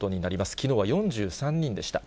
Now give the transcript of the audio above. きのうは４３人でした。